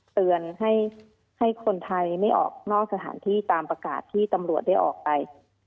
เตือนให้คนไทยไม่ออกนอกสถานที่ตามประกาศที่ตำรวจได้ออกไป